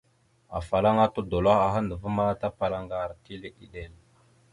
Afalaŋana tudola aha andəva, tapala aŋgar, tile eɗek.